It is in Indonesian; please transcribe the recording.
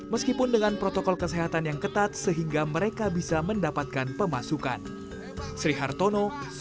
meskipun dengan protokol kesehatan yang ketat sehingga mereka bisa mendapatkan pemasukan